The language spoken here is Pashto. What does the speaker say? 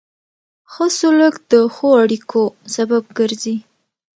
ښه سلوک د ښو اړیکو سبب ګرځي.